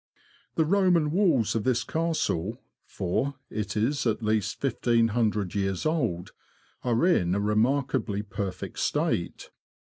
The Roman walls of this castle — for it is at least 1500 years old — are in a remarkably perfect state.